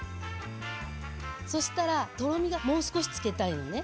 そしたらとろみがもう少しつけたいのね。